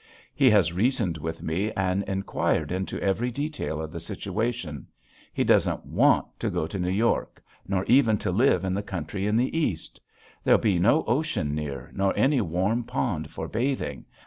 He has reasoned with me and inquired into every detail of the situation. He doesn't want to go to New York nor even to live in the country in the East. There'll be no ocean near nor any warm pond for bathing.